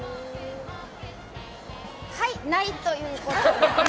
はい、ないということですね。